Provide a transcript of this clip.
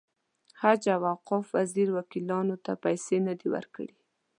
حج او اوقاف وزیر وکیلانو ته پیسې نه دي ورکړې.